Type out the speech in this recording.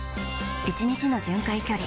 １日の巡回距離